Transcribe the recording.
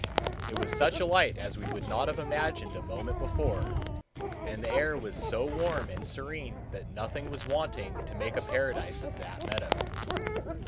It was such a light as we could not have imagined a moment before, and the air also was so warm and serene that nothing was wanting to make a paradise of that meadow.